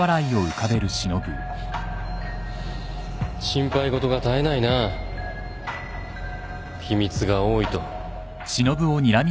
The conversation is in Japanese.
心配事が絶えないな秘密が多いと。